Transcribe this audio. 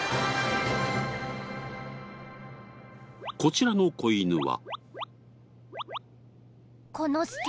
こちらの子犬は。